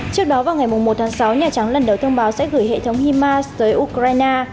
trước đó vào ngày một tháng sáu nhà trắng lần đầu thông báo sẽ gửi hệ thống hima tới ukraine